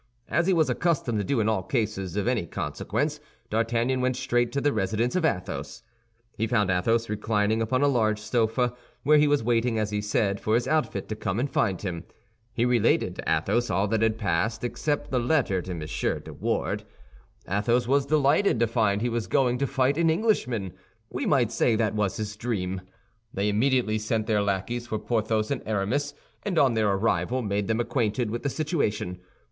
As he was accustomed to do in all cases of any consequence, D'Artagnan went straight to the residence of Athos. He found Athos reclining upon a large sofa, where he was waiting, as he said, for his outfit to come and find him. He related to Athos all that had passed, except the letter to M. de Wardes. Athos was delighted to find he was going to fight an Englishman. We might say that was his dream. They immediately sent their lackeys for Porthos and Aramis, and on their arrival made them acquainted with the situation.